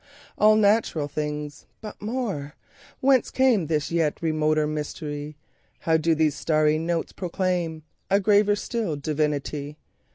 All natural things! But more—Whence cameThis yet remoter mystery? How do these starry notes proclaimA graver still divinity?